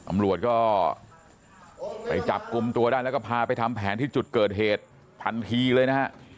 ตำรวจก็ไปจับกลุ่มตัวได้แล้วก็พาไปทำแผนที่จุดเกิดเหตุทันทีเลยนะฮะ